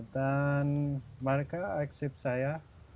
dan mereka menerima saya